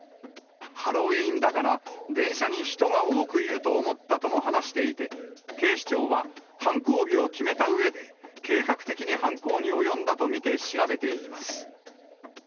ハロウィーンだから電車に人が多くいると思ったとも話していて、警視庁は犯行日を決めたうえで、計画的に犯行に及んだと見て調べています。